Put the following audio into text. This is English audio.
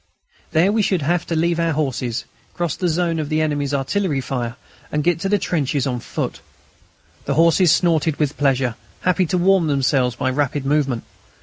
There we should have to leave our horses, cross the zone of the enemy's artillery fire, and get to the trenches on foot. The horses snorted with pleasure, happy to warm themselves by rapid movement.